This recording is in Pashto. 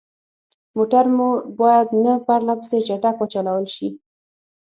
موټر مو باید نه پرلهپسې چټک وچلول شي.